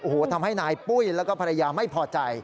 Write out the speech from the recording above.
โอ้โหทำให้นายปุ้ยแล้วก็ภรรยาไม่พอใจ